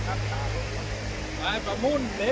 พวกมันกำลังพูดได้